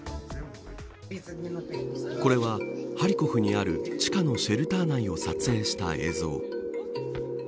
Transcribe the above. これは、ハリコフにある地下のシェルター内を撮影した映像。